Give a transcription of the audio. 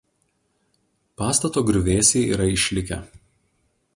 Pastato griuvėsiai yra išlikę.